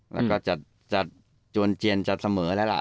แล้วก็จะจวนเจียนจะเสมอแล้วล่ะ